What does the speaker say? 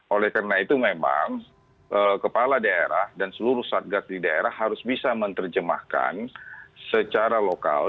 oleh karena itu memang kepala daerah dan seluruh satgas di daerah harus bisa menerjemahkan secara lokal